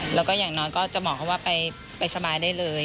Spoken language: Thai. แล้วก็อย่างน้อยก็จะบอกเขาว่าไปสบายได้เลย